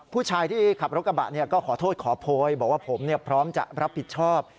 ผู้ชายที่ขับรถกระบะก็ขอโทษขอโพยบอกว่าผมพร้อมจะรับผิดชอบ